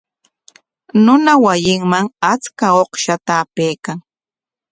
Runa wasinman achka uqshata apaykan.